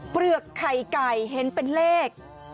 เปลือกไข่ไก่เห็นเป็นเลข